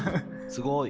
すごい。